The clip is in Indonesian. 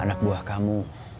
anak buah kamu